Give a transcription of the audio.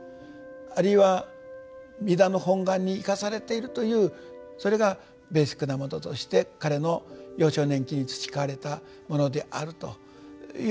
あるいは弥陀の本願に生かされているというそれがベーシックなものとして彼の幼少年期に培われたものであるということではなかったかと思われます。